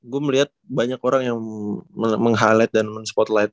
gue melihat banyak orang yang meng highlight dan men spotlight